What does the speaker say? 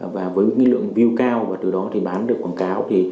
và với lượng view cao và từ đó thì bán được quảng cáo